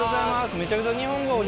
めちゃくちゃ日本語お上手。